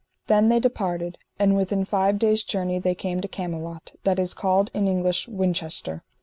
Then they departed, and within five days' journey they came to Camelot, that is called in English, Winchester.